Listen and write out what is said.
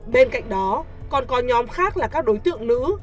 bên cạnh đó còn có nhóm khác là các đối tượng nữ